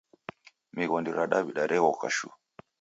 Mighodi ra dawida reghoka shuu.